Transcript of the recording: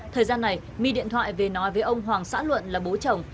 thời gian này my điện thoại về nói với ông hoàng xã luận là bố chồng